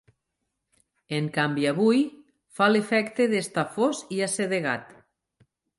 En canvi avui, fa l'efecte d'estar fos i assedegat.